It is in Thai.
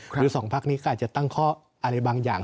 คือสองพักนี้ก็อาจจะตั้งข้ออะไรบางอย่าง